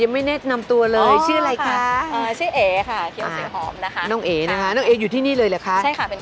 มีรถให้ขึ้นทุกวันเลยค่ะ